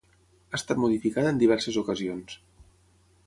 Ha estat modificada en diverses ocasions.